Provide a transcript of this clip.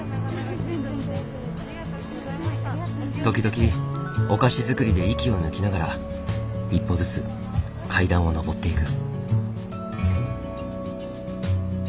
時々お菓子作りで息を抜きながら一歩ずつ階段を上っていく。